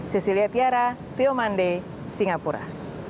cecilia tiara teo mandey singapura